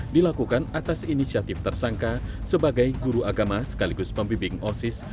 dilakukan atas inisiatif tersangka sebagai guru agama sekaligus pembimbing osis